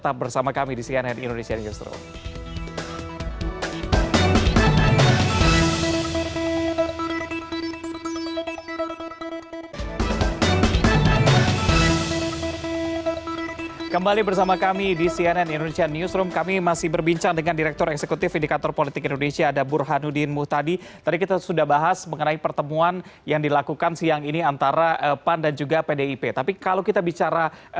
pdip tapi kalau kita bicara